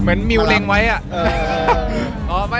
เหมือนมิวเร่งไว้อ่ะ